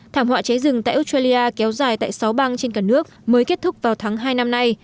thảm họa cháy rừng tại australia kéo dài tại sáu bang trên cả nước mới kết thúc vào tháng hai năm nay